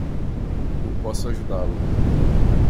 Eu posso ajudá-lo!